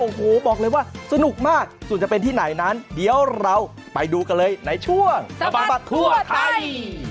โอ้โหบอกเลยว่าสนุกมากส่วนจะเป็นที่ไหนนั้นเดี๋ยวเราไปดูกันเลยในช่วงสะบัดทั่วไทย